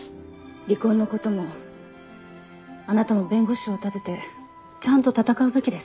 離婚の事もあなたも弁護士を立ててちゃんと闘うべきです。